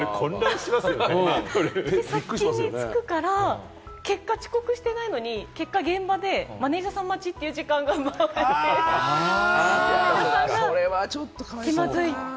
で、先につくから、結果、遅刻してないのに、現場でマネジャーさん待ちという時間があって、マネジャーさんが気まずいって。